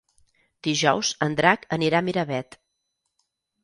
Dijous en Drac anirà a Miravet.